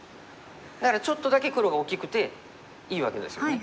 だからちょっとだけ黒が大きくていいわけですよね。